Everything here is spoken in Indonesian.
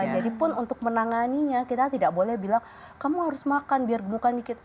jadi pun untuk menanganinya kita tidak boleh bilang kamu harus makan biar gemukkan sedikit